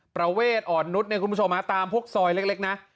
ประเวทอ่อนนุทธ์ตามพวกซอยเล็กนะ